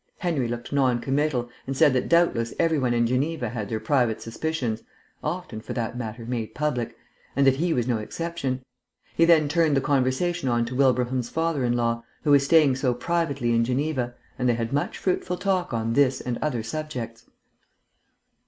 Henry looked non committal and said that doubtless every one in Geneva had their private suspicions (often, for that matter, made public), and that he was no exception. He then turned the conversation on to Wilbraham's father in law, who was staying so privately in Geneva, and they had much fruitful talk on this and other subjects.